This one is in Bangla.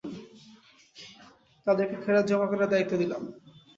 তাঁদেরকে খেরাজ জমা করার দায়িত্ব দিলাম।